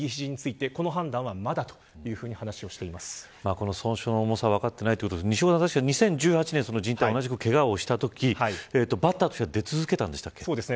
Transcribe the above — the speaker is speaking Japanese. この損傷の重さ分かっていないということで確か２０１８年に、靱帯を同じくけがをしたときバッターとしては出続けたんでしたっけ。